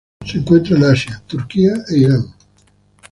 Se encuentran en Asia: Turquía e Irán.